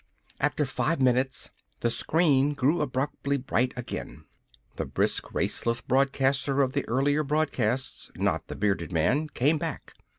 After five minutes the screen grew abruptly bright again. The brisk, raceless broadcaster of the earlier broadcast not the bearded man came back.